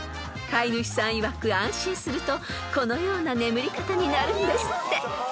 ［飼い主さんいわく安心するとこのような眠り方になるんですって］